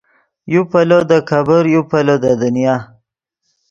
یو پیلو دے کېبر یو پیلو دے دنیا